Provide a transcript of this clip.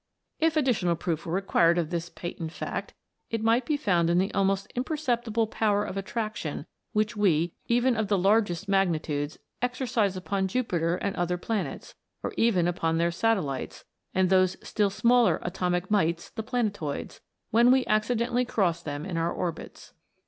If additional proof were required of this patent fact, it might be found in the almost imperceptible power of attraction which we, even of the largest magnitudes, exercise upon Jupiter and other planets, or even upon their satellites, and those still smaller atomic mites, the planetoids, when we accidentally cross them in their orbits.